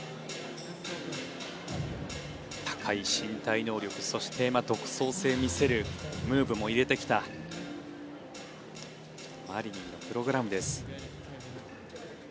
高い身体能力そして独創性見せるムーブも入れてきたマリニンのプログラムです。